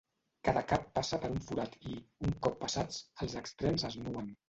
Cada cap passa per un forat i, un cop passats, els extrems es nuen.